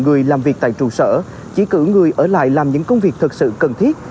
người làm việc tại trụ sở chỉ cử người ở lại làm những công việc thật sự cần thiết